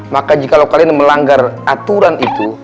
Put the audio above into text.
maka jika kalian melanggar aturan itu